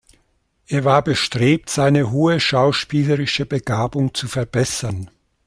Er war bestrebt, seine hohe schauspielerische Begabung zu verbessern.